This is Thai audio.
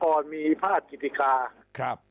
ก่อนมีพจภาพกิจคา